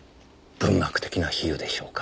文学的な比喩でしょうか。